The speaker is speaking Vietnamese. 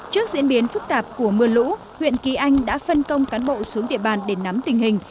trước diễn biến phức tạp của mưa lũ huyện kỳ anh đã phân công cán bộ xuống địa bàn để nắm tình hình